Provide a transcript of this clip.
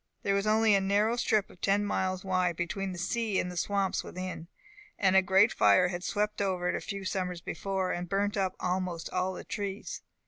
There was only a narrow strip of ten miles wide, between the sea and the swamps within, and a great fire had swept over it a few summers before, and burnt up almost all the trees.